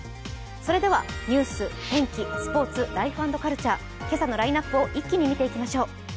それでは、ニュース、天気、スポーツ、ライフ＆カルチャー今朝のラインナップを一気に見ていきましょう